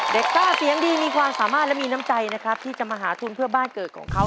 ซ่าเสียงดีมีความสามารถและมีน้ำใจนะครับที่จะมาหาทุนเพื่อบ้านเกิดของเขา